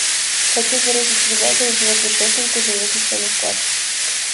Хочу выразить признательность его предшественнику за его бесценный вклад.